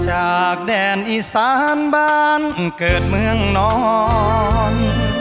จากแดนอิสร์หันเบินเกิดเมืองนอน